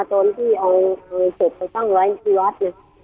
ตอนที่เอาศพไปสร้างไว้ที่วัด